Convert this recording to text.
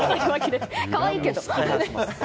可愛いけど。